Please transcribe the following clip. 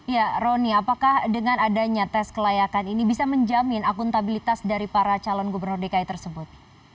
ya roni apakah dengan adanya tes kelayakan ini bisa menjamin akuntabilitas dari para calon gubernur dki tersebut